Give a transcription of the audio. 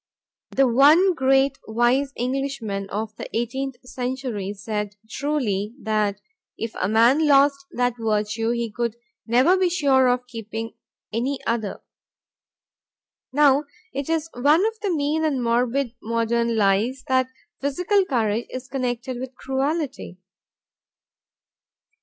The one great, wise Englishman of the eighteenth century said truly that if a man lost that virtue he could never be sure of keeping any other. Now it is one of the mean and morbid modern lies that physical courage is connected with cruelty.